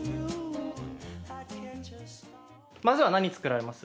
まずは何作られます？